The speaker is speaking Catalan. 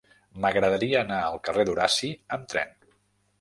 M'agradaria anar al carrer d'Horaci amb tren.